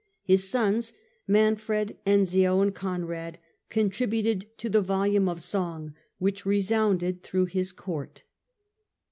His sons, Manfred, Enzio and Conrad contributed to the volume of song which resounded through his Court.